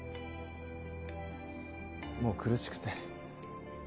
もう苦しくて。